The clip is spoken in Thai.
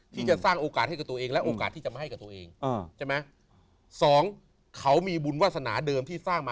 ที่จะสร้างโอกาสให้ตัวเองและโอกาสที่จะมาให้กับเอง